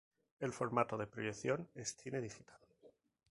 El formato de proyección es cine digital.